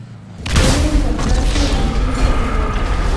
Puede encontrarse en "Vinca minor".